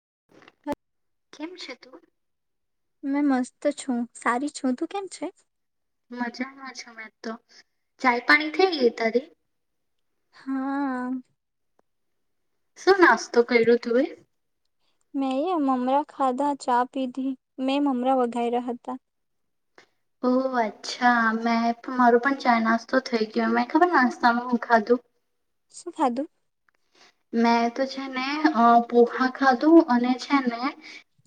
[inaudible] મેં મસ્ત છું સારી છું તું કેમ છે મજામાં છ મેં તો ચાય પાણી થઈ ગય તારી હા શું નાસ્તો કર્યો તું એ મેં મમરા ખાધા ચા પીધી મેં મમરા વઘા રહ્યા હતા ઓહ અચ્છા મેં મારું પણ ચાાય નાસ્તો થઈ ગયો મે ખબર નાસ્તાનું ખાધું શુંફાદ મેં તો છે ને પોખા ખાધું અને છે ને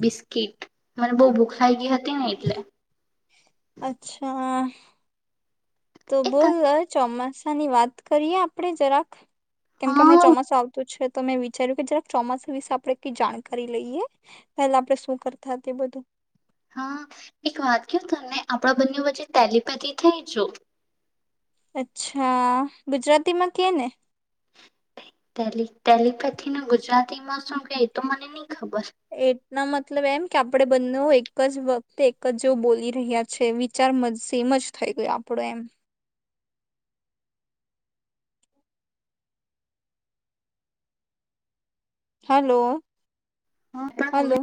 બિસ્કીિટ મને બહુ ભૂખ લાગ ગઈ હતી ને એટલે અચ્છા તો એ તને બોલ ચોમાસા ની વાત કરીએ આપડણે જરાક કેમ કે હમણાં હા ચોમાસું આવતું જ છે તો મેં વિચાર્યું કે જરા ચોમાસા વિશે આપણેે કઈ જાણકારી લઈએ પેલા આપણે શું કરતા તે બધું હા એક વાત ક તમને આપણા બંને વચ્ચે ટેલીપેથી થઈ જો અચ્છા ગુજરાતીમાં કે ને તેલીપેથી ન ગુજરાતી માં શું કે તો મને ન એટના મતલબ એમ કે આપડે બંને એક એક જ વખતે એક જે બોલી રહ્યા છે વિચાર મમ જ થઈ ગયો આપડો એમ હલો હા પણ હલો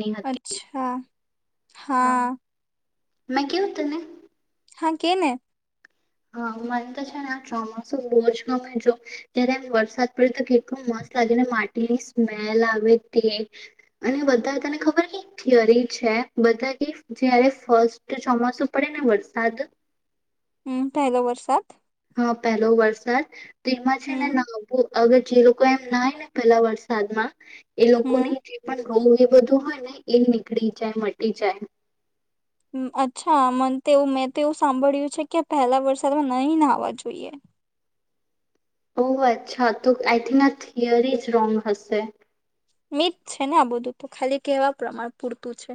ની હતી અચ્છા હા મે કે ઉ તને હા કેને હા મને તો છે ને આ ચોમાસું બહુ જ ગમે જો જય્યારે એમ વરસાદ પડે તો કેટલોું મસ્ત લાગે ને માટીની સ્મેલ આવે તે અને બધા તને ખબર થિયરી છે બધા કે જયારે ફસ્ટ ચોમાસું પડે ને વરસાદ હમ પહેલો વરસાત હા પહેલો વરસાદ તમા છેને હમ ના બું અગર જે લોકો એમ નાય ને પેલા વરસાદમાં એ લોકો હમ પણ રોવ એ બધું હોય ને એ નીકળી જાય મટી જાય અચ્છા મને તો એવું મેં તો એવું સાંભળ્યું છે કે પહેલા વરસાદમાં નહી નાહાવા જોઈએ ઓ અચ્છા તો આઈ થિંક આ થિયરી જ રોંગ હશે મીટ છે ને આ બધું તો ખાલી કેવા પ્રમાણ પૂરતું છે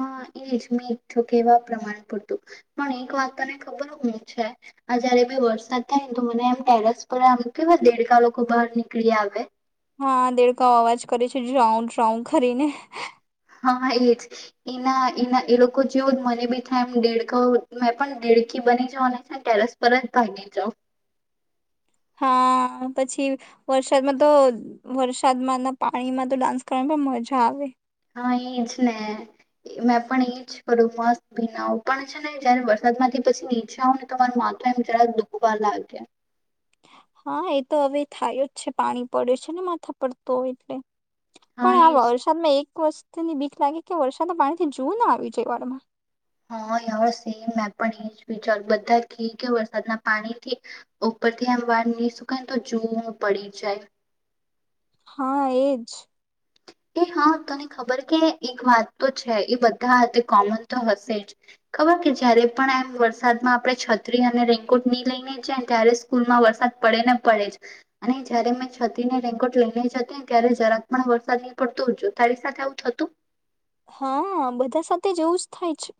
હા એજ મેં એક તો કેવા પ્રમાણે પૂરતું પણ એક વાત તને ખબર હું છે આ જયારે વરસાદ થાય ને તો મને એમ ટેરસ પર આમ કેવા દેડકાા લોકો બહાર નીકળી આવે હા દેડકાઓ અવાજ કરે છે રાઉન્ડ રાઉન્ડ કરીને હા એજ એના એના એ લોકો જેવું મને બી થાય એમ દેળખ મેં પણ દેડખી બની જાાવ અને ટેરસ પર જ ભાગી જાાવ હા પછી વરસાદમાં તો વરસાદમાં ના પાણીમાં તો ડાન્સ કરવાની પણ મજા આવે હા એજ ને મેં પણ એજ કરું મસ્ત ભીના પણ છે ને જયારે વરસાદ માંથી પછી નીચે આવ ને તમારું માથું એમ જરાક દુખવા લાગે હા એ તો હવે થાય જ છે પાણી પડ્યું છે ને માથા પડતો હો એટલે હા પણ આ એજ વરસાદમાં એક વસ્તુ ની ભીખ લાગે કે વરસાના પાણીથી જુું ના આવી જ વાળમાં હા સેમ મેં પણ એ જ વિચાર બધા ઘી કે વરસાદના પાણીથી ઉપર થી એમ વાર નહી સુકાયને તો જોવું પડી જાય હા એજ એ હા તને ખબર કે એક વાત તો છે એ બધા કોમન તો હશે જ ખબર કે જયારે પણ એમ વરસાદમાં આપડણે છત્રી અને રેન્કોટ નહી લઈને જાયને ત્યારે સ્કૂલમાં વરસાદ પડે ને પડે જ અને જયારે મેં છત્રીને રેન્કોટ લઈને જતી ને ત્યારે જરાક પણ વરસાદી પડત જો તારી સાથે આવું થતું હા બધા સાથે જેવું જ થાય છે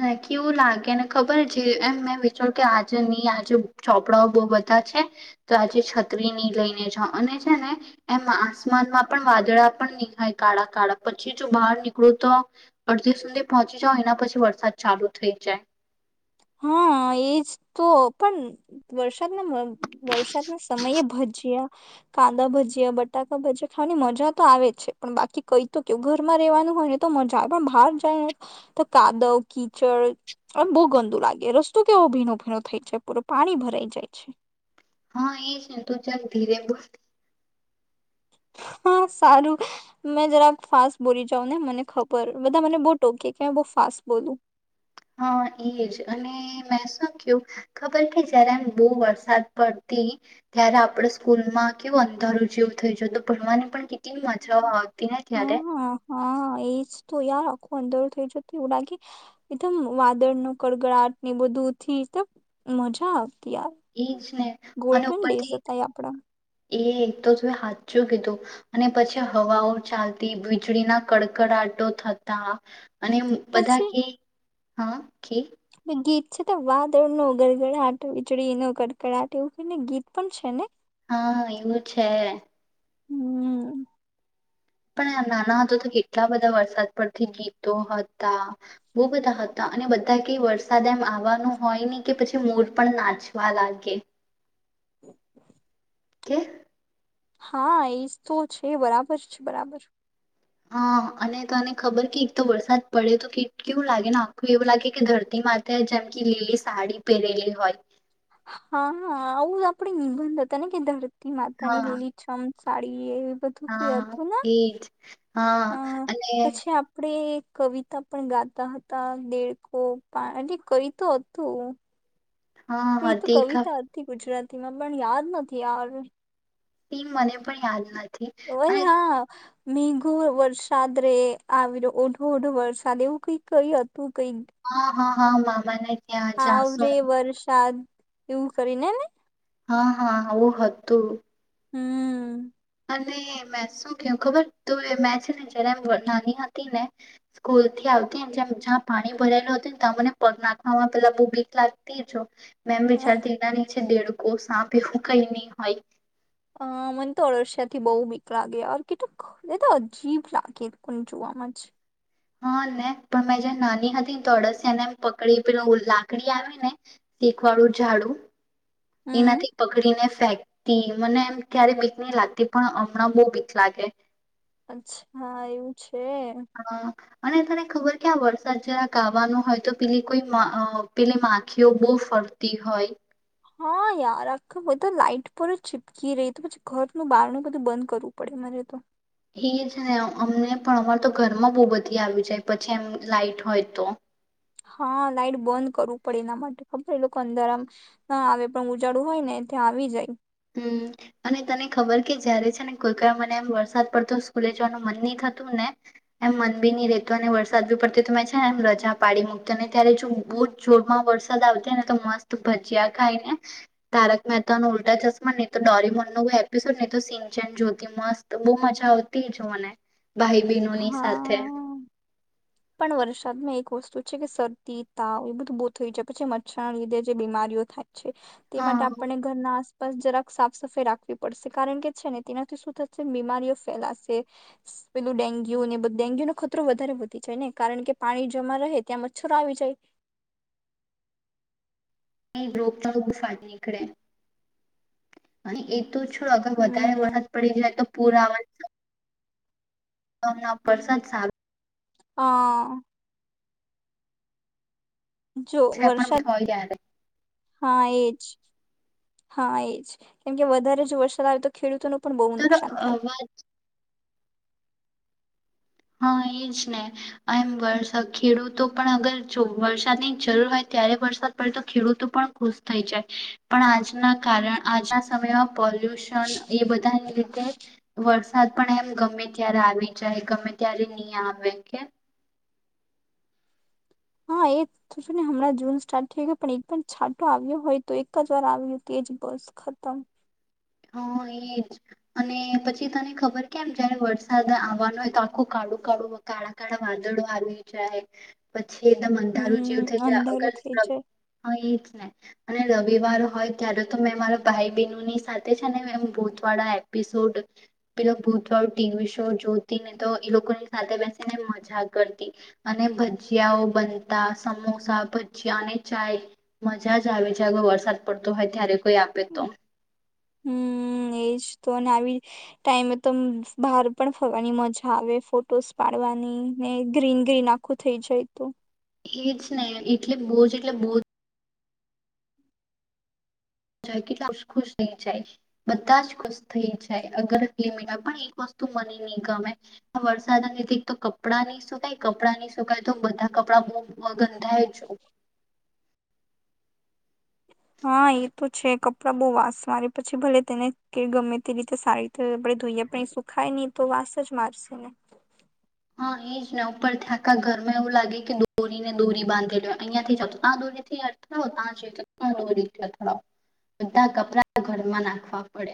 નાકી એવું લાગે ને ખબર જે એમ મેં વિચાર કે આજે નહી આજે ચોપડાઓ બહ બધા છે તો આજે છત્રી નની લઈને જાઓ અને છે ને એમ આસમાનમાં પણ વાદળા પણ નહીં થાય કાળા કાળા પછી જો બહાર નીકળું તો અડધી સુધી પહોંચી જાવ એના પછી વરસાદ ચાલુ થઈ જાય હા એજ તો પણ વરસાદના વરસાદના સમયે ભજીયા કાંદા ભજીયા બટાકા ભજીયા ખાવાની મજા તો આવે જ છે પણ બાકી કઈ તો કેવું ઘરમાં રેવાનું હોય ને તો મજા આવે પણ બહાર જાય ને તો કાદવ કીચડ બહુ ગંદ લાગે રસ્તો કેવો ભીનો ભીણ થાય છે પૂર પાણી ભરાઈ જાય છે હા એ છે ને તું ચાલ ધીરે બોલતી હા સારું મે જરા ફાસ્ટ બોલી જાાવ ને મને ખબર બધા મને બહુ ટોકી કે મે બહ ફાસ્ટ બોલું હા એજ અને મેં શું ક્યું ખબર કે જયારે આમ બહુ વરસાદ પડતી ત્યારે આપડ સ્કૂલ માં કેવું અંધારું જેવું થઇ જ તો ભણવાની પણ કેટલી માજાઓ આવતી ને ત્યારે હા હા એજ તો યાદ રાખું અંદરું થઈ જતું એવું લાગી એકદમ વાદળ ન કડગડાટ ને બધુંથી એકમ મજા આવે યાર એજ ને અને ગોલ્ડન ડેસ ઉપરથી હતા અ આપણા એ એક તો હાચું કીધું અને પછી હવાઓ ચાલતી વીજળીના કડકડાટો થતા અને એમ બધા પછી કે હા કી એ ગીત છે તો વાદળ નો ગરગડાટ વીજળી નો ગડગડાટ એવું કોઈને ગીત પણ છે ને હા એવું છે હમ પણ નાના હતા તો કેટલા બધા વરસાદ પરથી ગીતો હતા બહુ બધા હતા અને બધા ક વરસાદ એમ આવવાનું હોય ને કે પછી મોર પણ નાચવા લાગે [inaudible] કે હા એજ તો છે બરાબર છે બરાબર હા અને તને ખબર કે એક તો વરસાદ પડે તો કેટ કેવું લાગે ને આખું એવું લાગે કે ધરતી માતા જેમ કે લીલી સાડી પહેરેલી હોય હા આવઉ આપડી [unintelligible] બંધ તને કેદાર માતા ની હા લીલી છમ સાડી એ બધું કઈ હા હતું ન એજ હા હ અને પછી આપડે કવિતા પણ ગાતા હતા દેડકો અલી કઈ તો હતું હા કઈ તો હતી કવિતા ખતી હતી ગુજરાત પણ યાદ નથી યાર તે મને પણ યાદ નથ ઓરે હા મેઘો વરસાદ રે આવી રહ્યો ઓઢો ઓઢો વરસાદ એવું કઈ કઈ હત તું કઈ હા હા હા મા મા ને આવ ર્રે વરસાદ એવું કરીને ને હા હા આવું હતું, હમ્મ અને મે શું કેું ખબર તો મેં છે, ને જયારે નાની હતી ને સ્કૂલ થી આવતી ને જેમ જ્યાં પાણી ભરાયલું હત ને ત્યાં મને નાખમાં પેલા બુ બીક લાગતી જો મેમ વિચારતી એનાની દેડકો સાપ એવું કઈ નહી, હોય અ મને તો અળશિયા થી બહુ બીક લાગે યાર કેટલુંક તો અજીબ લાગેને જોવાવામાં જ હા, ને પણ મેં જે નાની હતી ને તો અડસિયાને એમ પકડી પેલો લાકડી આવી ને ટેકવાડું ઝાડું હમ એનાથી પકડીને ફેંકતી મને એમ ક્યારે બીક નહી લાગતી, પણ હમણાં બોઉ બીક લાગે અચ્છા એવું છે. હા, અને તને ખબર કે આ વરસાદ જરાક આવાનો હોય, તો પેલી કોઈ અ પેલી માખીઓ બહુ ફરતી હોય હા, યાર આખા બધા લાઈટ પર જ ચીપકી રહી તો પછી ઘરનું બહારણ બધું બંધ કરવું પડે, મારે તો એ છે ને અમને પણ અમાર તો ઘરમાં બહુ બધી આવી જાય પછી, એમ લાાઈટ હોય તો હા લાાઈટ બંધ કરવું પડે એના માટે ખબર લોકો અંદર આમ ના આવે પણ ઉજાળું હોય ને ત્યાં આવી જાય હમ અને તને ખબર કે જયારે છે, ને કોઈકઈ મને એમ વરસાદ પડતો સ્કૂલે જવાનું મન નહ થતું ને એમ મન બી નહી રેતું અને વરસાદ બી પડતો તો મેં છે, ને એ રજા પાડી મૂકતો ને ત્યારે જો બહુ જ જોરમાં વરસાદ આવતો ને તો મસ્ત ભજીયા ખાઈને તારક મહેતા ન ઉલટા જ નહી તો ડોરીમન ન એપિસોડ નહી તો સિનચન જોતી મસ્ત બહુ મજા આવતી જ મને હા, પણ વર્ષદ મે વસ્તુ છે કે શરદી તાવ એ બધું બહુ થઈ જાય, પછી મચ્છર ના લીધે જે બીમારીઓ થાય છે, તે માટે હા આપને ઘરના જરાક સાફ સફાઈ રાખવી પડશે કારણ કે છે ને તેનાથી શું થશે, બીમારીઓ ફેલાશે ડેન્ગ્યુ ને ડેગ્યુનો ખતરો વધારે વધતી જાય, ને કારણ કે પાણી જમાં રહે ત્યાં મચ્છરો આવી જાય, ન રોપતા તો બુ ફાટી નીકળે અને એ તો છ અગર વધારે હમ વરસાદ પડી જાય તો પુરા તમ પસાદ સાાર હા, જો પણ વરસાદ હોય જ્યારે હા એજ હા એજ કેમ કે વધારે જો વરસાદ આવે તો ખેડૂતોનું પણ બહુ નુકસાન થાય [unintelligible] હા, એજ ને એમ વરસા ખેડૂતો પણ અગર જો વરસાદની જરૂર હોય, ત્યારે વરસાદ પડે તો ખેડૂતો પણ ખુશ થઈ જાય, પણ આજના કારણ આજના સમયમાં પોલ્યુશન એ બધાને લીધે વરસાદ પણ એમ ગમે ત્યારે આવી જાય ગમે ત્યારે નહી આવે કે, હા એ ને હમણાં જૂન સ્ટાર્ટ થઈ ગયો પણ એક પણ છાંટો આવ્યો હોય, તો એક જ વાર આવ તો એજ બસ ખતમ હા એજ અને પછી તને ખબર કેમ જયારે વરસાદ આવવાનો હોય, તો આખું કાળું કાળું કાળા કાળા વાદળો આવી જાય, છેદમ અંધારું જેવું થઈ હમ છે, અગર અંધારું થઈ જાય અને રવિવાર હોય ત્યારે તો મેં મારા ભાઈ બહેનો ની સાથે ને ભૂત વાળા એપિસોડ પે ભૂતવાળું ટીવી શો જોતી ને તો એ લોકોની સાથે બેસીને મજા કરતી અને ભજીયાઓ બનતા સમોસા ભજીયા અને ચાય મજા જ આવે છેગ વરસાદ પડતો હોય ત્યારે કોઈ આપે તો હમ એજ તો અને આવી ટાઈમે તો બહાર પણ ફરવાની મજા આવે ફોટોસ પાડવાની ને ગ્રીન ગ્રીન આખું થઇ જાય તો એજ ને એટલે બહુજ એટલે બહુજ કેટલા ખુશ થઈ જાય બધા જ ખુશ થઈ જાય અગરમિ પણ એક વસ્તુ મને નહીં ગમે વરસાદધક તો કપડાં નહી શુંકાય કપડાં નહી શુંકાય તો બધા કપડા બ ગંધાય જ હા એ તો છે કપડા બહુ વાસ મારે પછી ભલે તેને કે ગમે તે રીતે સારી રીતે આપણે ધોઈએ પણ એ સુખાય નહી તો વાસ જ મારશે ને હા એ જ ને ઉપર થયાકા ઘરમાં એવું લાગે કે દોરીને દોરી બાંધેલી અહિયાંથી જાવ તો ત્યાં દોરીથી અથડાવો ત જ ત દોરીથી અથડાવો બધા કપડા ઘરમાં નાખવા પડે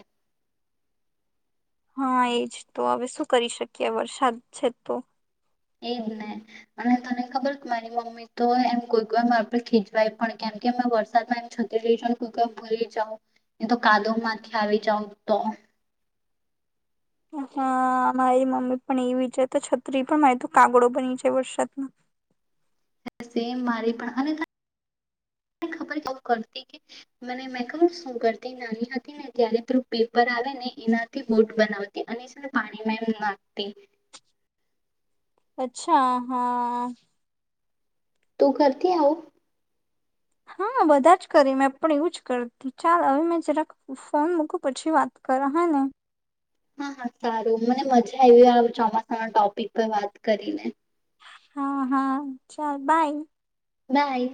હા એજ તો હવે શું કરી શકીએ વરસાદ છે તો એજ ને અને તને ખબર મારી મમ્મી તો એમ કોઈ કોઈ આપડે ખીચવાય પણ કેમ કે અમે વરસાદમાં એમ છતી રહી જાાવ કોઈ ભૂલી જાઉ તો કાદો માંથી આવી જાાવ તો હા મારી મમ્મી પણ એવી છે તો છત્રી પણ મારી તો કાગડો બની જ વરસાદમાં સ મારી પણ અને ખબર એવું કરતી કે મને મે ક શું કરતી નાની હતી ને ત્યારે પેું પેપર આવે ને એનાથી બોટ બનાવતી અને પાણીમાં એમ નાખતી અચ્છા હા તું કરતી આ હો હા બધા જ કરી મેં પણ એવું જ કરતી ચાલ હવે મેં જ રા ફોન મૂકું પછી વાત કર હેને હા હા સારું મને મજા આવી આ ચોમાસાના ટોપિક પર વાત કરીને હા હા ચાલ બાય બાય